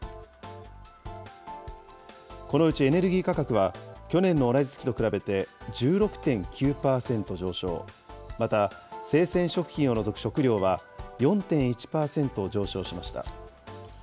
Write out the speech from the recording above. このうちエネルギー価格は、去年の同じ月と比べて１６．９％上昇、また、生鮮食品を除く食料は４．１％上昇しました。